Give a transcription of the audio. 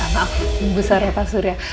maaf bu sara pak surya